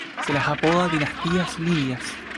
Se las apoda dinastías libias.